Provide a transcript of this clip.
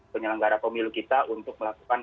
penyelenggara pemilu kita untuk melakukan